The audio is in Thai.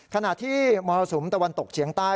ขณะที่มรสุมตะวันตกเฉียงใต้